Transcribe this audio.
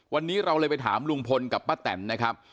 วันนี้เราเลยไปถามลุงพลกับป้าแตนนะครับ